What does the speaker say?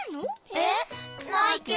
えっ？ないけど。